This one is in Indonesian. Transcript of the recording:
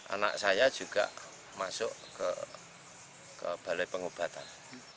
anak saya juga masuk ke balai pengobatan